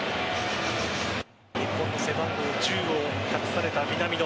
日本の背番号１０を託された南野。